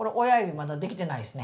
まだ出来てないですね。